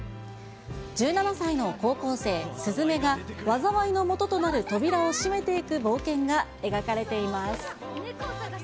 １７歳の高校生、すずめが災いのもととなる扉を閉めていく冒険が描かれています。